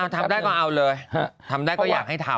ทำได้ก็เอาเลยทำได้ก็อยากให้ทำ